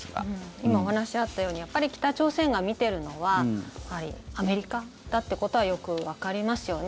今、お話あったようにやっぱり北朝鮮が見てるのはアメリカだっていうことはよくわかりますよね。